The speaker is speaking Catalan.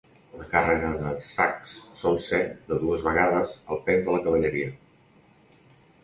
La càrrega de sacs sol ser de dues vegades el pes de la cavalleria.